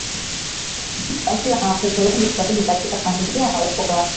mtu akiwa na watoto wengi zaidi katika familia na ukoo wake